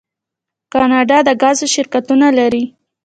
کاناډا د ګاز شرکتونه لري.